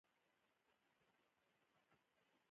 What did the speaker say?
بامیان په مرکزي ولایتونو کې راځي